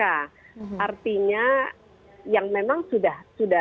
artinya yang memang sudah menganggur gitu kan